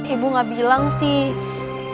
ibu gak bilang sih